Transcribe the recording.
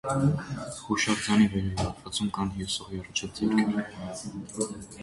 Հուշարձանի վերևի հատվածում կան հյուսող եռաչափ ձեռքեր։